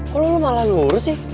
kok lo malah lurus sih